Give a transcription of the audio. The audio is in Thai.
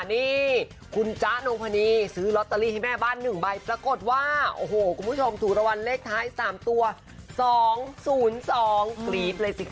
นี่คุณจ๊ะนงพนีซื้อลอตเตอรี่ให้แม่บ้าน๑ใบปรากฏว่าโอ้โหคุณผู้ชมถูกรางวัลเลขท้าย๓ตัว๒๐๒กรี๊ดเลยสิค่ะ